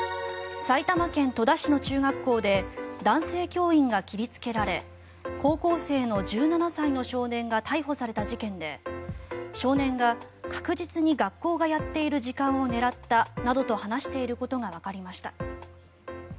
埼玉県戸田市の中学校で男性教員が切りつけられ高校生の１７歳の少年が逮捕された事件で少年が、確実に学校がやっている時間を狙ったなどと話していることがわかりました。